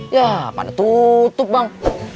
ya pada tutup bang